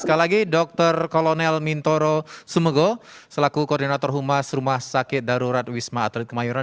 sekali lagi dr kolonel mintoro sumego selaku koordinator humas rumah sakit darurat wisma atlet kemayoran